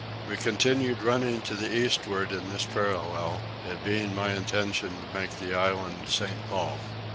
We continued running to the eastward in this parallel, it being my intention to make the island St. Paul.